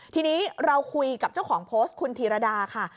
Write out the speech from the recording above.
ทีนี้เราคุยกับเจ้าของโพสต์คุณธีรดาค่ะ